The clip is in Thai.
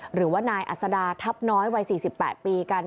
หรือว่านายอัศดาทัพน้อยวัย๔๘ปีกัน